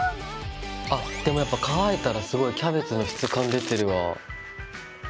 あっでもやっぱ乾いたらすごいキャベツの質感出てるわぁ。